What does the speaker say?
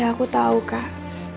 iya aku tahu kak